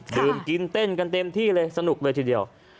ดื่มกินเต้นกันเต็มที่เลยสนุกเลยทีเดียว